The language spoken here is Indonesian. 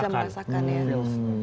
bisa merasakan ya dewasa